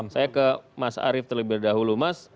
saya ke mas arief terlebih dahulu mas